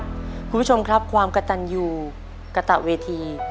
คุณผู้ชมครับความกระตันอยู่กระตะเวที